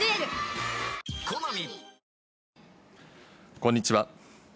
こんにちは。